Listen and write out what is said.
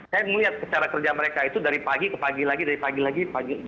saya melihat cara kerja mereka itu dari pagi ke pagi lagi dari pagi lagi pagi